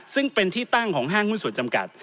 ซึ่งเป็นที่ตั้งของห้างหุ้นส่วนจำกัด